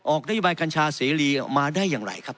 นโยบายกัญชาเสรีออกมาได้อย่างไรครับ